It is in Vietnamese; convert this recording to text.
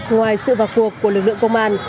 ngoài sự vào cuộc của lực lượng công an